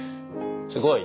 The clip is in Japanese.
すごい！